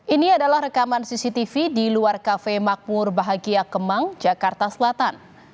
ini adalah rekaman cctv di luar kafe makmur bahagia kemang jakarta selatan